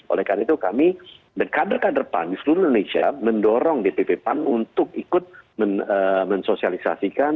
oleh karena itu kami dan kader kader pan di seluruh indonesia mendorong dpp pan untuk ikut mensosialisasikan